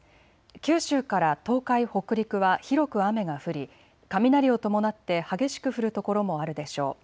九州から東海、北陸は広く雨が降り、雷を伴って激しく降る所もあるでしょう。